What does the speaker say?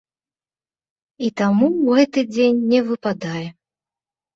І таму ў гэты дзень не выпадае.